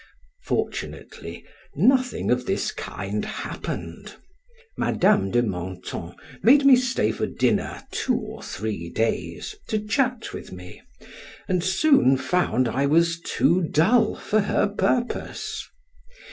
Fortunately, nothing of this kind happened; Madam de Menthon made me stay for dinner two or three days, to chat with me, and soon found I was too dull for her purpose.